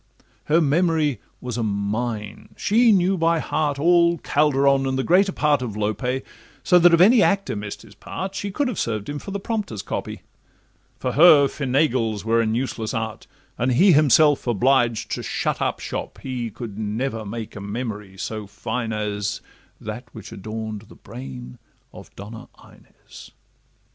Her memory was a mine: she knew by heart All Calderon and greater part of Lope, So that if any actor miss'd his part She could have served him for the prompter's copy; For her Feinagle's were an useless art, And he himself obliged to shut up shop—he Could never make a memory so fine as That which adorn'd the brain of Donna Inez.